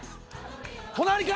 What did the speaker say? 隣か？